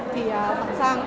thì bạn giang bao giờ cũng là